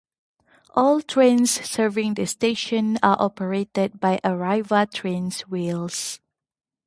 All trains serving the station are operated by Arriva Trains Wales.